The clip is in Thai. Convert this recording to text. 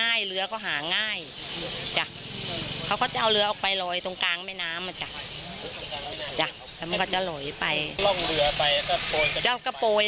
อ้าว